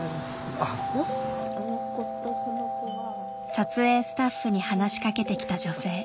撮影スタッフに話しかけてきた女性。